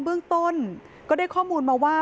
เบื้องต้นก็ได้ข้อมูลมาว่า